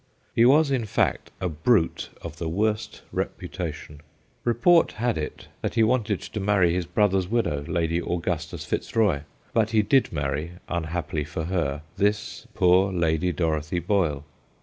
He was, in fact, a brute of the worst reputation. Report had it that he 114 THE GHOSTS OF PICCADILLY wanted to marry his brother's widow, Lady Augustus FitzRoy, but he did marry, un happily for her, this poor Lady Dorothy Boyle.